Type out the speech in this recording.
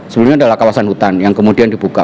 sebelumnya adalah kawasan hutan yang kemudian dibuka